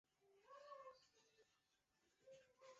拉氏清溪蟹为溪蟹科清溪蟹属的动物。